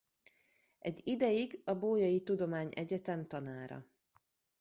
Egy ideig a Bolyai Tudományegyetem tanára.